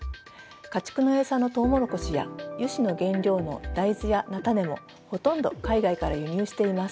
家畜の餌のトウモロコシや油脂の原料の大豆や菜種もほとんど海外から輸入しています。